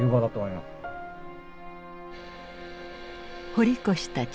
堀越たち